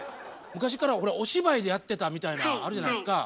昔からお芝居でやってたみたいなんあるじゃないですか。